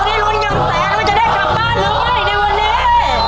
มันจะได้กลับบ้านหรือไม่ในวันนี้